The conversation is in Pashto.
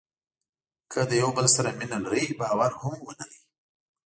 که له یو بل سره مینه لرئ باور هم ولرئ.